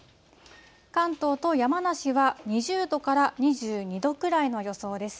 関東と山梨は２０度から２２度くらいの予想です。